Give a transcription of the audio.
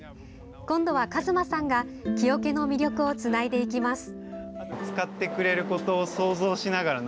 今度は、かずまさんが木おけの魅力をつないでいきます。